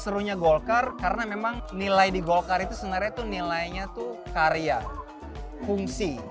serunya golkar karena memang nilai di golkar itu sebenarnya tuh nilainya tuh karya fungsi